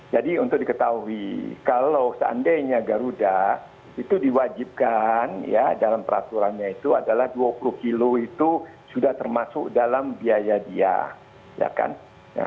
jadi untuk diketahui kalau seandainya garuda itu diwajibkan dalam peraturan itu adalah dua puluh kg itu sudah termasuk dalam biaya dia